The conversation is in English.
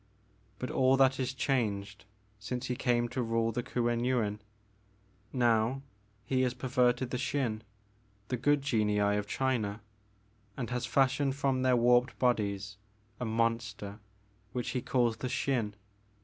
But all that is changed since he came to rule the Kuen Yuin. Now he has perverted the Xin, — ^the good genii of China, — and has fashioned bom their warped bodies a monster which he calLs the Xin.